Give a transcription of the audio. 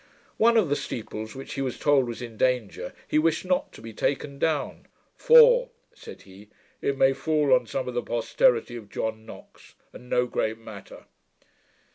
One of the steeples, which he was told was in danger, he wished not to be taken down; 'for,' said he, 'it may fall on some of the posterity of John Knox; and no great matter!'